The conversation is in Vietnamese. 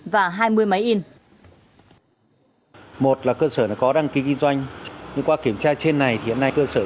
và hai mươi máy in